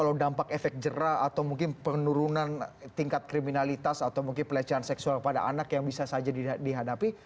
kalau dampak efek jerah atau mungkin penurunan tingkat kriminalitas atau mungkin pelecehan seksual pada anak yang bisa saja dihadapi